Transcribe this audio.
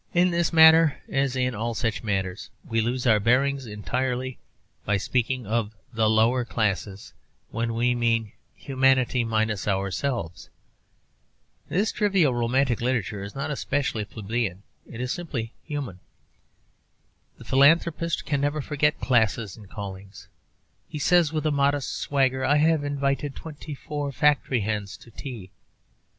In this matter, as in all such matters, we lose our bearings entirely by speaking of the 'lower classes' when we mean humanity minus ourselves. This trivial romantic literature is not especially plebeian: it is simply human. The philanthropist can never forget classes and callings. He says, with a modest swagger, 'I have invited twenty five factory hands to tea.'